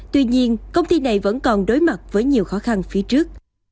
tuy nhiên công ty này vẫn còn đối mặt với nhiều khó khăn phía trước